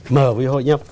mở với hội nhập